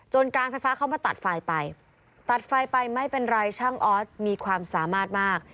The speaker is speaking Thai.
การไฟฟ้าเข้ามาตัดไฟไปตัดไฟไปไม่เป็นไรช่างออสมีความสามารถมาก